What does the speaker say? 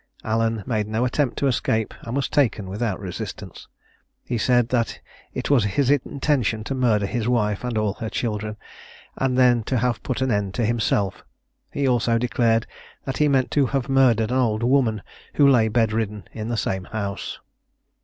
Allen made no attempt to escape, and was taken without resistance. He said that it was his intention to murder his wife and all her children, and then to have put an end to himself. He also declared that he meant to have murdered an old woman who lay bed ridden in the same house.